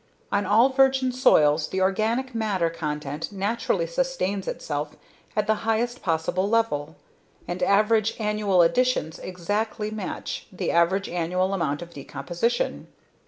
On all virgin soils the organic matter content naturally sustains itself at the highest possible level. And, average annual additions exactly match the average annual amount of decomposition.